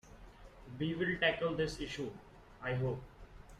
We will tackle this issue, I hope.